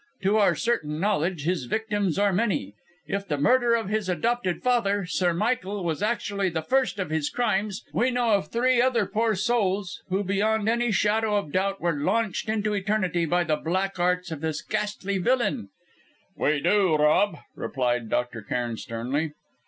To our certain knowledge his victims are many. If the murder of his adoptive father, Sir Michael, was actually the first of his crimes, we know of three other poor souls who beyond any shadow of doubt were launched into eternity by the Black Arts of this ghastly villain " "We do, Rob," replied Dr. Cairn sternly.